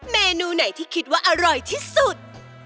เมนูไหนที่คิดว่าอร่อยที่สุด